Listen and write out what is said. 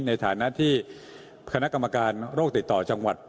ในฐานะที่คณะกรรมการโรคติดต่อจังหวัด